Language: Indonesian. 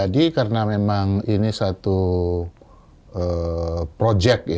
jadi karena memang ini satu projek ya